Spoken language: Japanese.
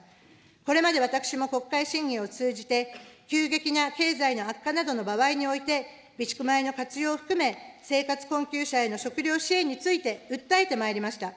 これまで私も国会審議を通じて、急激な経済の悪化などの場合において、備蓄米の活用を含め、生活困窮者への食料支援について訴えてまいりました。